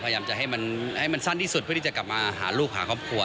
อยากจะให้มันสั้นที่สุดไม่ได้ปกติจะกลับมาหาลูกหาครอบครัว